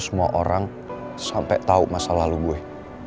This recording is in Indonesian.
semua orang sampai tahu masa lalu gue